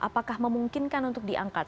apakah memungkinkan untuk diangkat